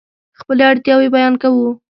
خپلې اړتیاوې بیان کوو.